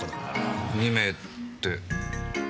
２名って。